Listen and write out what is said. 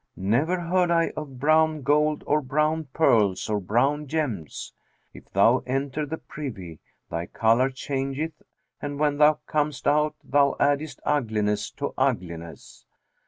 Never heard I of brown gold or brown pearls or brown gems. If thou enter the privy, thy colour changeth, and when thou comest out, thou addest ugliness to ugliness.